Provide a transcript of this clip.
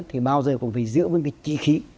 thì bao giờ cũng phải giữ vững cái chí khí